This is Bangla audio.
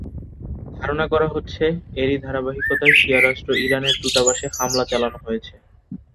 ধারণা করা হচ্ছে, এরই ধারাবাহিকতায় শিয়া রাষ্ট্র ইরানের দূতাবাসে হামলা চালানো হয়েছে।